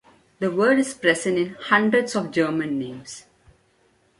The word is present in hundreds of German names.